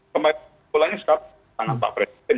kemarin pulangnya sekarang tangan pak presiden